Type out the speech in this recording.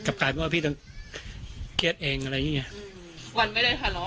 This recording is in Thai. กลายเป็นว่าพี่ต้องเครียดเองอะไรอย่างงี้ไงอืมวันไม่ได้ทะเลาะ